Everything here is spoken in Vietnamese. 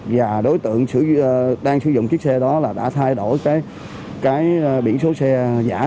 và đối tượng đang sử dụng chiếc xe đó là đã thay đổi cái biển số xe giả